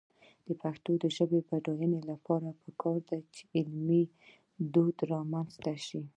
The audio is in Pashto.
د پښتو ژبې د بډاینې لپاره پکار ده چې علمي دود رامنځته شي.